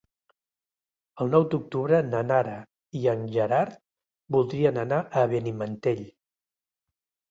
El nou d'octubre na Nara i en Gerard voldrien anar a Benimantell.